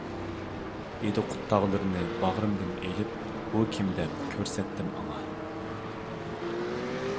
ئىدىقۇت تاغلىرىنى باغرىمدىن ئېلىپ، بۇ كىم دەپ كۆرسەتتىم ئاڭا.